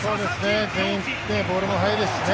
全員、ボールも速いですしね。